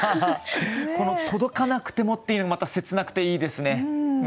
この「届かなくても」っていうまた切なくていいですね。